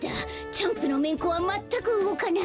チャンプのめんこはまったくうごかない。